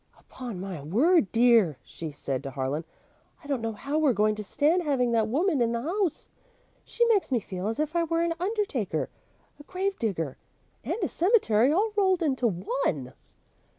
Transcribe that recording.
"Upon my word, dear," she said to Harlan, "I don't know how we're going to stand having that woman in the house. She makes me feel as if I were an undertaker, a grave digger, and a cemetery, all rolled into one."